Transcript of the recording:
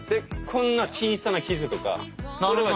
こんな小さな傷とか。